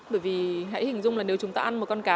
bởi vì hãy hình dung là nếu chúng ta ăn một con cá